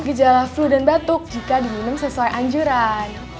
gejala flu dan batuk jika diminum sesuai anjuran